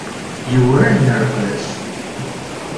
You weren't nervous?